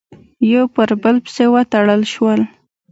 یو پر بل پسې وتړل شول،